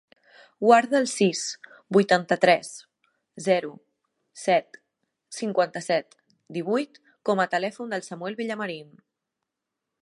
Guarda el sis, vuitanta-tres, zero, set, cinquanta-set, divuit com a telèfon del Samuel Villamarin.